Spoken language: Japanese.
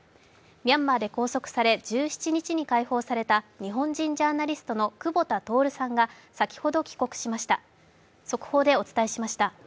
ミャンマーで拘束され１７日に解放された日本人ジャーナリストの久保田徹さんが先ほど帰国しました。